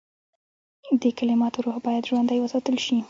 د کلماتو روح باید ژوندی وساتل شي.